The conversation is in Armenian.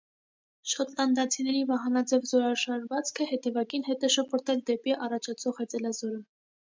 Շոտլանդացիների վահանաձև զորաշարվածքը հետևակին հետ է շպրտել դեպի առաջացող հեծելազորը։